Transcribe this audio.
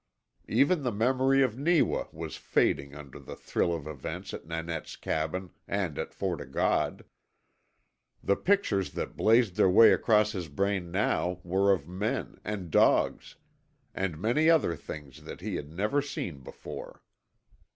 Even the memory of Neewa was fading under the thrill of events at Nanette's cabin and at Fort O' God. The pictures that blazed their way across his brain now were of men, and dogs, and many other things that he had never seen before.